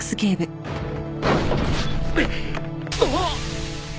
あっ。